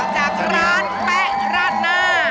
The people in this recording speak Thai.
จากร้านแป๊ะราดหน้า